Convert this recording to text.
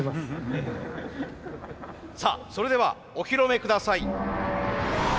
さあそれではお披露目ください。